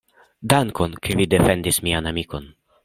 Dankon, ke vi defendis mian amikon.